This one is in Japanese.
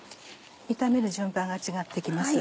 炒める順番が違って来ます。